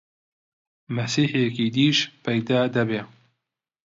مەسیحێکی دیش پەیدا دەبێ!